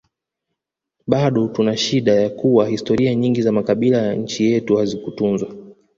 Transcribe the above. Bado tunashida ya kuwa historia nyingi za makabila ya nchi yetu hazikutunzwa